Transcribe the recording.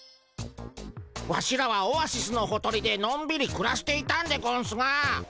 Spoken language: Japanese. ワシらはオアシスのほとりでのんびりくらしていたんでゴンスが。